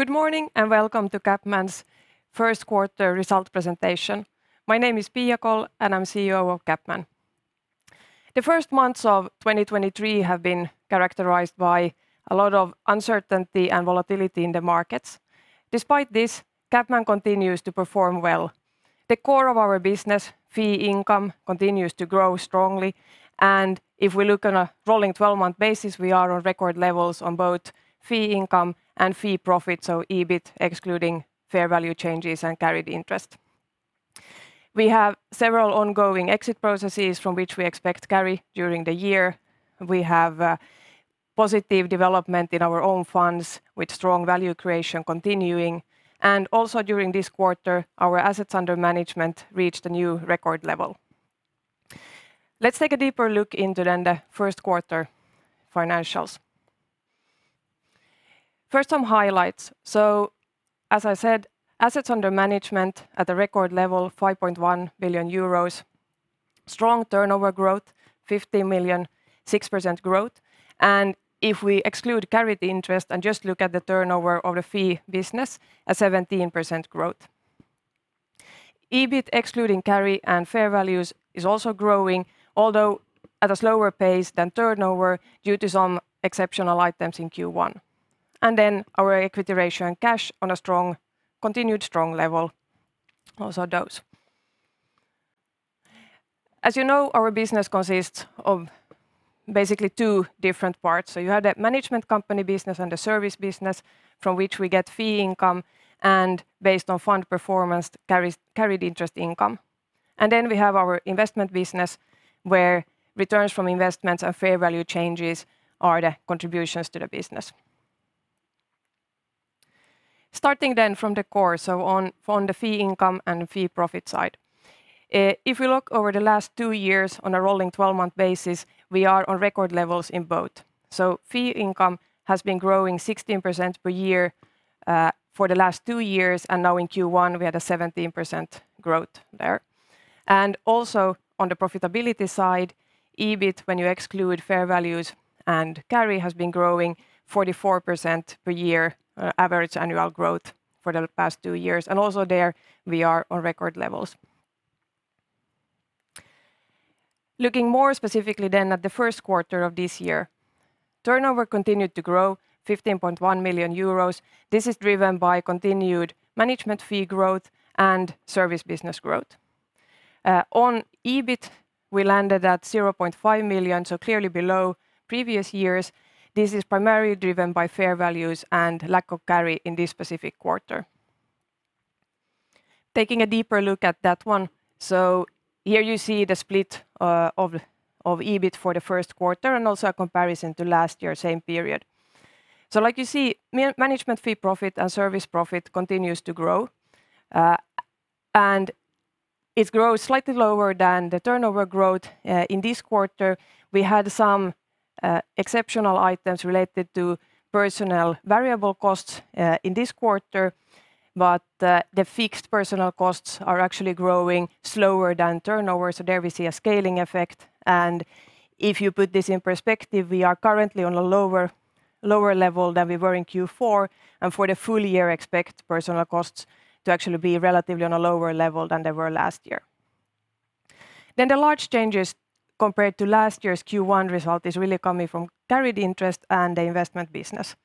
Good morning, welcome to CapMan's First Quarter Result Presentation. My name is Pia Kåll, I'm CEO of CapMan. The first months of 2023 have been characterized by a lot of uncertainty and volatility in the markets. Despite this, CapMan continues to perform well. The core of our business, fee income, continues to grow strongly, if we look on a rolling 12-month basis, we are on record levels on both fee income and fee profit, so EBIT excluding fair value changes and carried interest. We have positive development in our own funds with strong value creation continuing, also during this quarter, our assets under management reached a new record level. Let's take a deeper look into the first quarter financials. First, some highlights. As I said, assets under management at a record level, 5.1 billion euros. Strong turnover growth, 50 million, 6% growth. If we exclude carried interest and just look at the turnover of the fee business, a 17% growth. EBIT excluding carry and fair values is also growing, although at a slower pace than turnover due to some exceptional items in Q1. Our equity ratio and cash on a continued strong level, also those. As you know, our business consists of basically two different parts. You have the management company business and the service business from which we get fee income and, based on fund performance, carried interest income. We have our investment business where returns from investments and fair value changes are the contributions to the business. Starting from the core, on the fee income and fee profit side. If we look over the last two years on a rolling 12-month basis, we are on record levels in both. Fee income has been growing 16% per year for the last two years, and now in Q1, we had a 17% growth there. Also on the profitability side, EBIT, when you exclude fair values and carry, has been growing 44% per year, average annual growth for the past two years. Also there we are on record levels. Looking more specifically at the first quarter of this year, turnover continued to grow 15.1 million euros. This is driven by continued management fee growth and service business growth. On EBIT, we landed at 0.5 million, clearly below previous years. This is primarily driven by fair values and lack of carry in this specific quarter. Taking a deeper look at that one, here you see the split of EBIT for the first quarter and also a comparison to last year same period. Like you see, management fee profit and service profit continues to grow, and it grows slightly lower than the turnover growth. In this quarter, we had some exceptional items related to personnel variable costs in this quarter, but the fixed personnel costs are actually growing slower than turnover, there we see a scaling effect. If you put this in perspective, we are currently on a lower level than we were in Q4, and for the full year expect personnel costs to actually be relatively on a lower level than they were last year. The large changes compared to last year's Q1 result is really coming from carried interest and the investment business.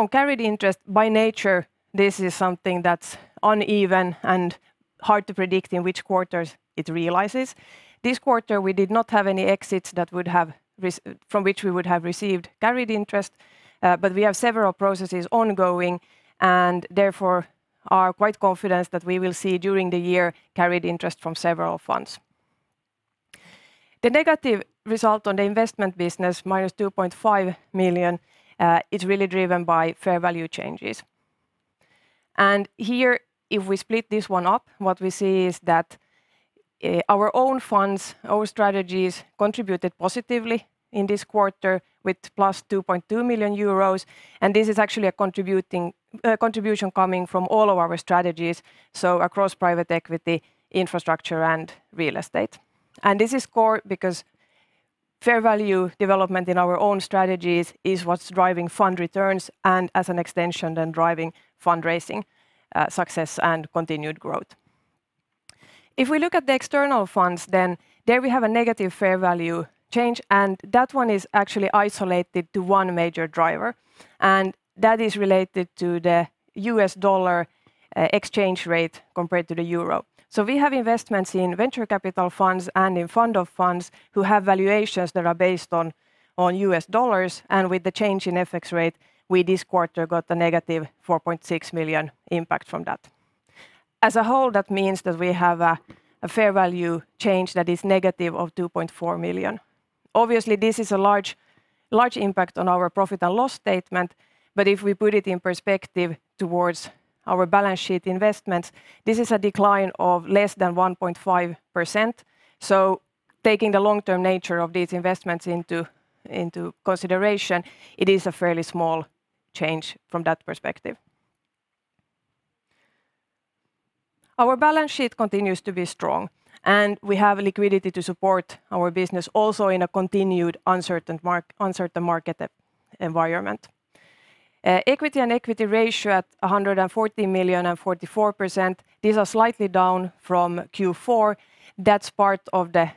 On carried interest, by nature, this is something that's uneven and hard to predict in which quarters it realizes. This quarter we did not have any exits that would have from which we would have received carried interest, but we have several processes ongoing and therefore are quite confident that we will see during the year carried interest from several funds. The negative result on the investment business, -2.5 million, is really driven by fair value changes. Here, if we split this one up, what we see is that our own funds, our strategies contributed positively in this quarter with + 2.2 million euros, and this is actually a contributing contribution coming from all of our strategies, so across private equity, infrastructure and real estate. This is core because fair value development in our own strategies is what's driving fund returns and as an extension then driving fundraising success and continued growth. If we look at the external funds, there we have a negative fair value change, and that one is actually isolated to one major driver, and that is related to the U.S. dollar exchange rate compared to the euro. We have investments in venture capital funds and in fund of funds who have valuations that are based on U.S. dollars, and with the change in FX rate, we this quarter got a -4.6 million impact from that. As a whole, that means that we have a fair value change that is negative 2.4 million. Obviously, this is a large impact on our profit and loss statement, but if we put it in perspective towards our balance sheet investments, this is a decline of less than 1.5%. Taking the long-term nature of these investments into consideration, it is a fairly small change from that perspective. Our balance sheet continues to be strong, and we have liquidity to support our business also in a continued uncertain market environment. Equity and equity ratio at 140 million and 44%. These are slightly down from Q4. That's part of the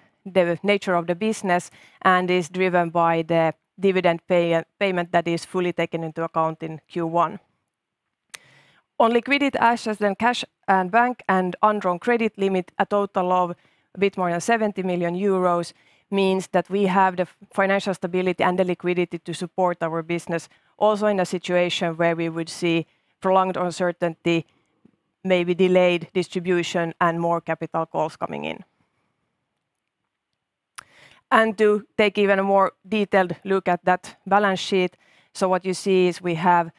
nature of the business and is driven by the dividend payment that is fully taken into account in Q1. On liquid assets and cash and bank and undrawn credit limit, a total of a bit more than 70 million euros means that we have the financial stability and the liquidity to support our business also in a situation where we would see prolonged uncertainty, maybe delayed distribution and more capital calls coming in. To take even a more detailed look at that balance sheet. What you see is we have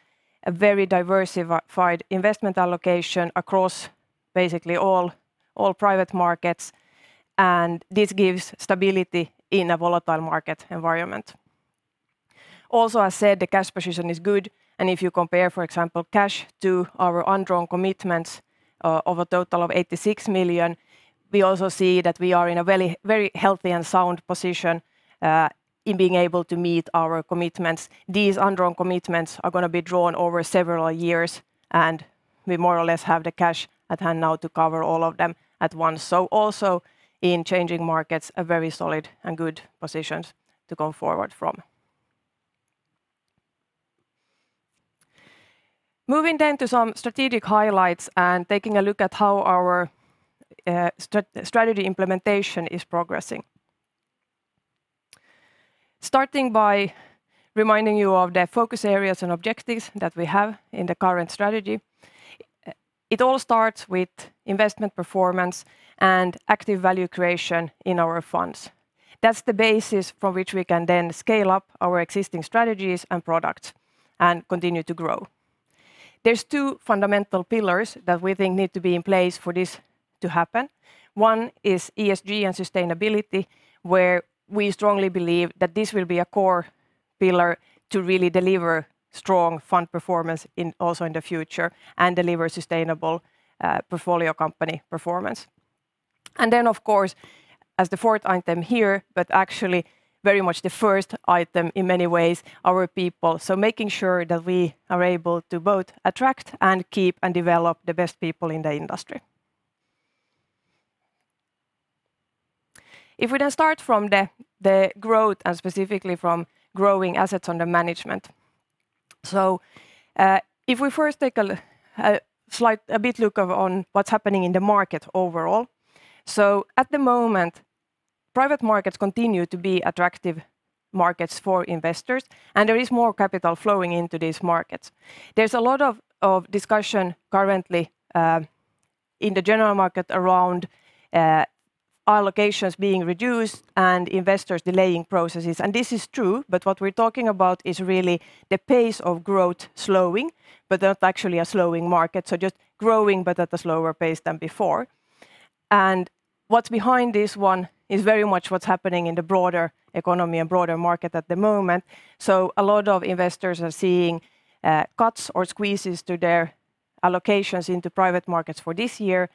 a very diversified investment allocation across basically all private markets, and this gives stability in a volatile market environment. Also, I said the cash position is good, and if you compare, for example, cash to our undrawn commitments, of a total of 86 million, we also see that we are in a very, very healthy and sound position in being able to meet our commitments. These undrawn commitments are gonna be drawn over several years, and we more or less have the cash at hand now to cover all of them at once. Also in changing markets, a very solid and good position to go forward from. Moving to some strategic highlights and taking a look at how our strategy implementation is progressing. Starting by reminding you of the focus areas and objectives that we have in the current strategy. It all starts with investment performance and active value creation in our funds. That's the basis from which we can then scale up our existing strategies and products and continue to grow. There's two fundamental pillars that we think need to be in place for this to happen. One is ESG and sustainability, where we strongly believe that this will be a core pillar to really deliver strong fund performance also in the future and deliver sustainable portfolio company performance. Of course, as the fourth item here, but actually very much the first item in many ways, our people. Making sure that we are able to both attract and keep and develop the best people in the industry. If we then start from the growth and specifically from growing assets under management. If we first take a bit look of on what's happening in the market overall. At the moment, private markets continue to be attractive markets for investors. There is more capital flowing into these markets. There's a lot of discussion currently in the general market around allocations being reduced and investors delaying processes. This is true, but what we're talking about is really the pace of growth slowing, but not actually a slowing market. Just growing but at a slower pace than before. What's behind this one is very much what's happening in the broader economy and broader market at the moment. A lot of investors are seeing cuts or squeezes to their allocations into private markets for this year.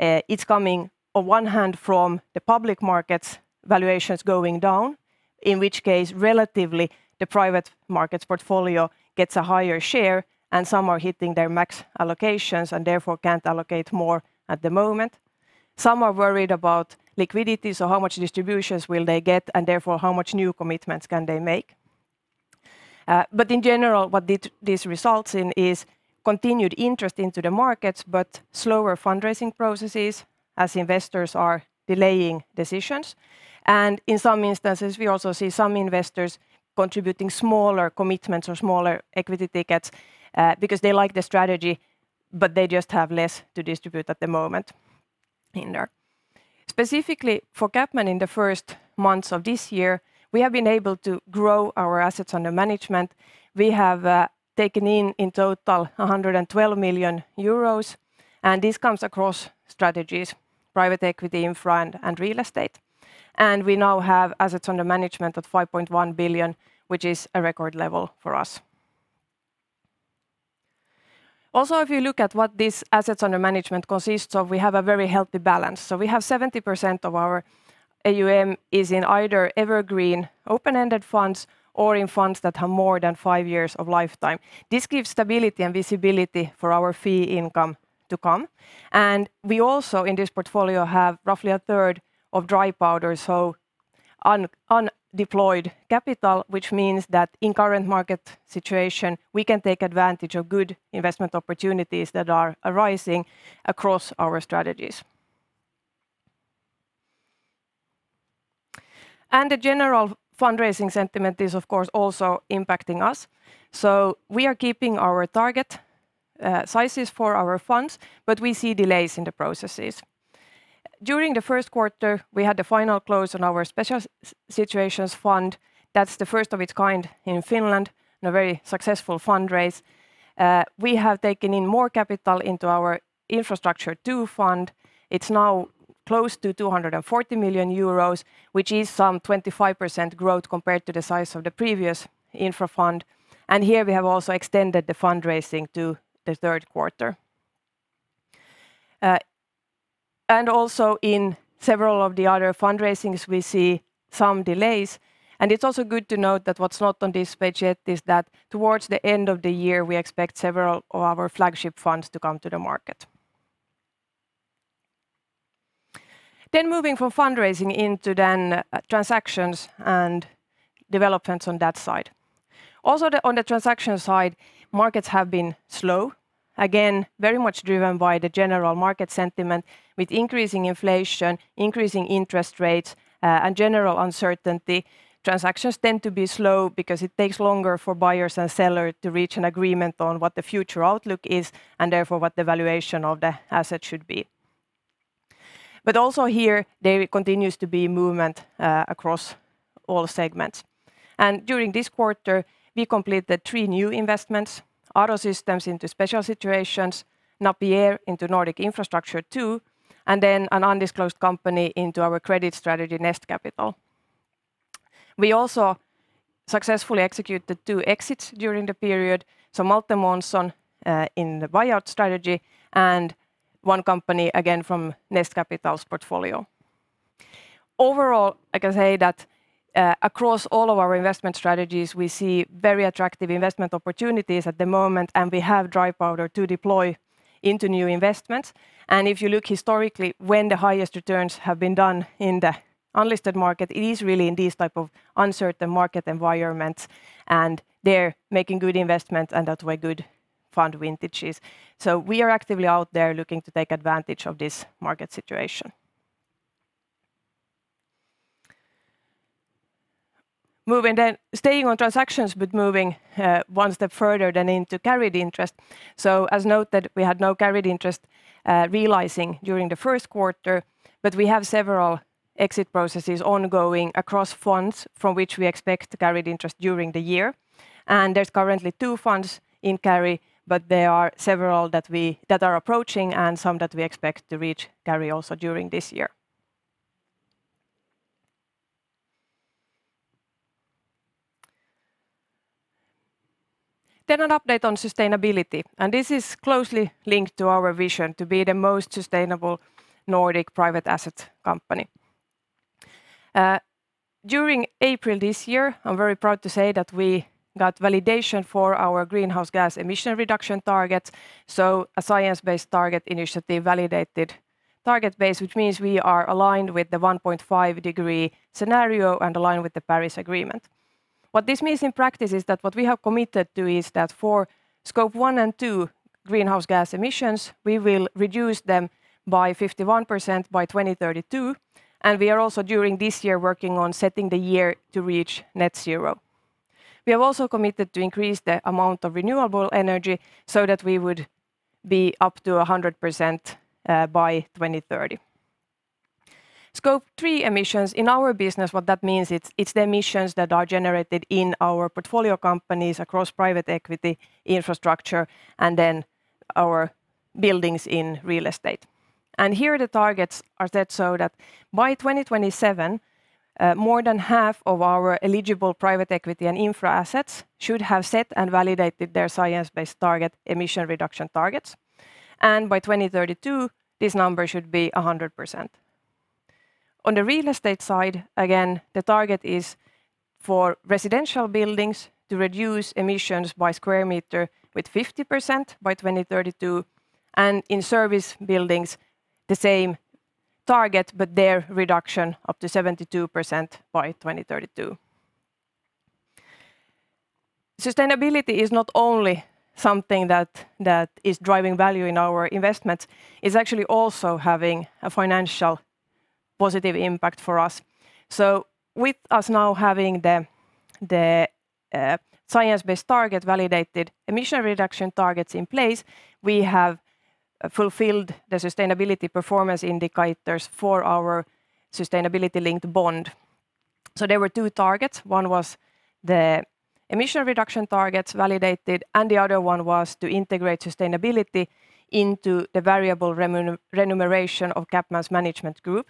It's coming on one hand from the public markets valuations going down, in which case relatively the private markets portfolio gets a higher share, and some are hitting their max allocations and therefore can't allocate more at the moment. Some are worried about liquidity, so how much distributions will they get and therefore how much new commitments can they make. In general, what this results in is continued interest into the markets but slower fundraising processes as investors are delaying decisions. In some instances, we also see some investors contributing smaller commitments or smaller equity tickets, because they like the strategy, but they just have less to distribute at the moment in there. Specifically for CapMan in the first months of this year, we have been able to grow our assets under management. We have taken in total 112 million euros. This comes across strategies, private equity, Infra and real estate. We now have assets under management at 5.1 billion, which is a record level for us. If you look at what these assets under management consists of, we have a very healthy balance. We have 70% of our AUM is in either evergreen open-ended funds or in funds that have more than five years of lifetime. This gives stability and visibility for our fee income to come. We also in this portfolio have roughly 1/3 of dry powder, so undeployed capital, which means that in current market situation, we can take advantage of good investment opportunities that are arising across our strategies. The general fundraising sentiment is of course also impacting us. We are keeping our target sizes for our funds, but we see delays in the processes. During the first quarter, we had the final close on our Special Situations Fund. That's the first of its kind in Finland and a very successful fundraise. We have taken in more capital into our Infrastructure II fund. It's now close to 240 million euros, which is some 25% growth compared to the size of the previous Infra fund. Here we have also extended the fundraising to the third quarter. Also in several of the other fundraisings, we see some delays, and it's also good to note that what's not on this page yet is that towards the end of the year, we expect several of our flagship funds to come to the market. Moving from fundraising into transactions and developments on that side. Also on the transaction side, markets have been slow. Again, very much driven by the general market sentiment with increasing inflation, increasing interest rates, and general uncertainty. Transactions tend to be slow because it takes longer for buyers and sellers to reach an agreement on what the future outlook is and therefore what the valuation of the asset should be. Also here, there continues to be movement across all segments. During this quarter, we completed three new investments: Auto Systems into Special Situations, Napier into Nordic Infrastructure II, and an undisclosed company into our credit strategy, Nest Capital. We also successfully executed two exits during the period, so Malte Månson in the buyout strategy and one company again from Nest Capital's portfolio. Overall, I can say that, across all of our investment strategies, we see very attractive investment opportunities at the moment. We have dry powder to deploy into new investments. If you look historically when the highest returns have been done in the unlisted market, it is really in these type of uncertain market environments, and they're making good investments and that way good fund vintages. We are actively out there looking to take advantage of this market situation. Staying on transactions, but moving one step further then into carried interest. As noted, we had no carried interest realizing during the first quarter, but we have several exit processes ongoing across funds from which we expect carried interest during the year. There's currently two funds in carry. There are several that are approaching and some that we expect to reach carry also during this year. An update on sustainability. This is closely linked to our vision to be the most sustainable Nordic private asset company. During April this year, I'm very proud to say that we got validation for our greenhouse gas emission reduction targets, so a Science Based Targets initiative validated target base, which means we are aligned with the 1.5 degree scenario and aligned with the Paris Agreement. What this means in practice is that what we have committed to is that for Scope 1 and 2 greenhouse gas emissions, we will reduce them by 51% by 2032. We are also during this year working on setting the year to reach net zero. We have also committed to increase the amount of renewable energy so that we would be up to 100% by 2030. Scope 3 emissions in our business, what that means, it's the emissions that are generated in our portfolio companies across private equity, infrastructure, and then our buildings in real estate. Here the targets are set so that by 2027, more than half of our eligible private equity and infra assets should have set and validated their Science Based Target emission reduction targets. By 2032, this number should be 100%. On the real estate side, again, the target is for residential buildings to reduce emissions by square meter with 50% by 2032, and in service buildings, the same target, but their reduction up to 72% by 2032. Sustainability is not only something that is driving value in our investments. It's actually also having a financial positive impact for us. With us now having the Science Based Targets validated emission reduction targets in place, we have fulfilled the sustainability performance indicators for our sustainability-linked bond. There were two targets. One was the emission reduction targets validated, and the other one was to integrate sustainability into the variable remuneration of CapMan's management group.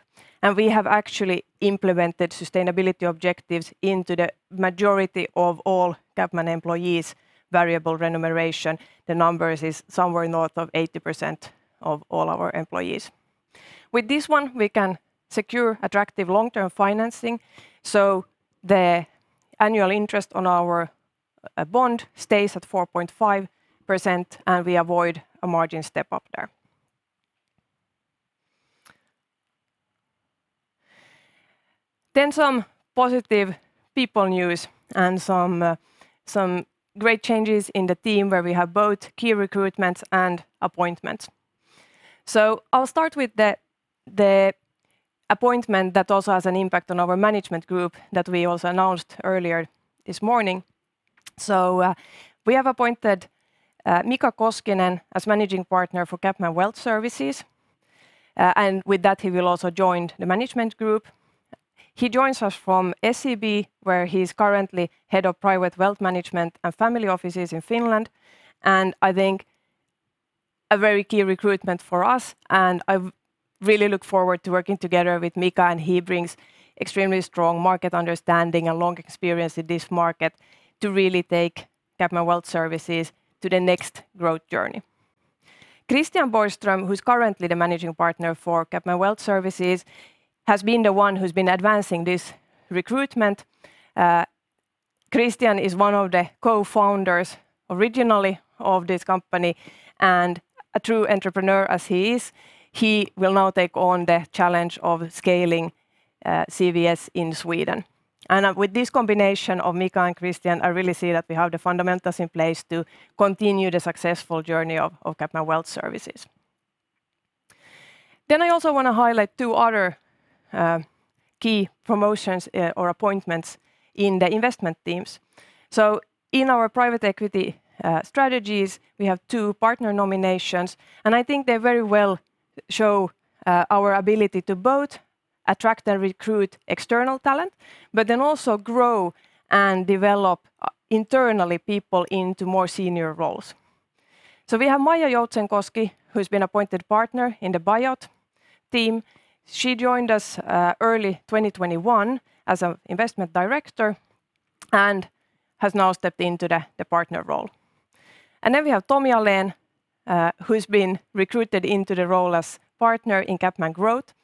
We have actually implemented sustainability objectives into the majority of all CapMan employees' variable remuneration. The numbers is somewhere north of 80% of all our employees. With this one, we can secure attractive long-term financing, the annual interest on our bond stays at 4.5%, and we avoid a margin step-up there. Some positive people news and some great changes in the team where we have both key recruitments and appointments. I'll start with the appointment that also has an impact on our management group that we also announced earlier this morning. We have appointed Mika Koskinen as Managing Partner for CapMan Wealth Services, and with that, he will also join the management group. He joins us from SEB where he's currently head of private wealth management and family offices in Finland, and I think a very key recruitment for us, and I really look forward to working together with Mika, and he brings extremely strong market understanding and long experience in this market to really take CapMan Wealth Services to the next growth journey. Christian Borgström, who's currently the Managing Partner for CapMan Wealth Services, has been the one who's been advancing this recruitment. Christian is one of the co-founders originally of this company, and a true entrepreneur as he is, he will now take on the challenge of scaling CVS in Sweden. With this combination of Mika and Christian, I really see that we have the fundamentals in place to continue the successful journey of CapMan Wealth Services. I also wanna highlight two other key promotions or appointments in the investment teams. In our private equity strategies, we have two partner nominations. I think they very well show our ability to both attract and recruit external talent, but then also grow and develop internally people into more senior roles. We have Maija Joutsenkoski, who's been appointed partner in the buyout team. She joined us early 2021 as an investment director and has now stepped into the partner role. Then we have Tomi Alén, who's been recruited into the role as partner in CapMan Growth.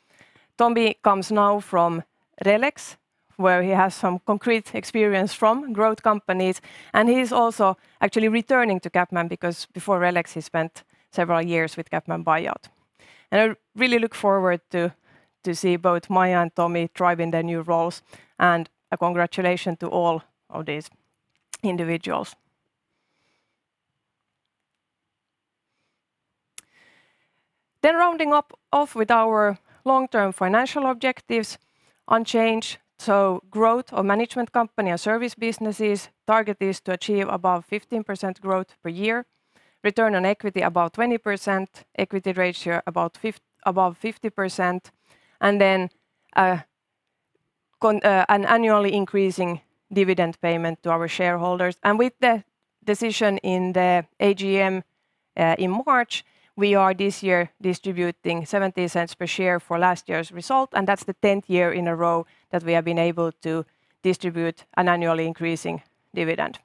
Tomi comes now from RELEX, where he has some concrete experience from growth companies, and he's also actually returning to CapMan because before RELEX he spent several years with CapMan Buyout. I really look forward to see both Maija and Tomi thrive in their new roles, and a congratulation to all of these individuals. Rounding off with our long-term financial objectives unchanged, so growth of management company and service businesses target is to achieve above 15% growth per year, return on equity above 20%, equity ratio above 50%, and then an annually increasing dividend payment to our shareholders. With the decision in the AGM in March, we are this year distributing 0.70 per share for last year's result, and that's the 10th year in a row that we have been able to distribute an annually increasing dividend.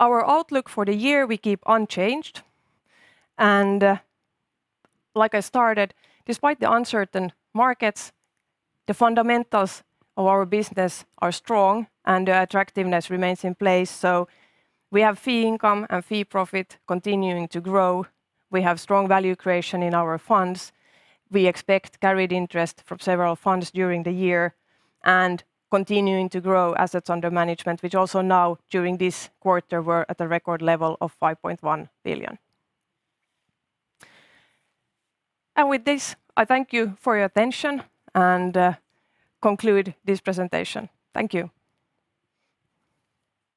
Our outlook for the year we keep unchanged. Like I started, despite the uncertain markets, the fundamentals of our business are strong and the attractiveness remains in place. We have fee income and fee profit continuing to grow. We have strong value creation in our funds. We expect carried interest from several funds during the year and continuing to grow assets under management, which also now during this quarter were at a record level of 5.1 billion. With this, I thank you for your attention and conclude this presentation. Thank you.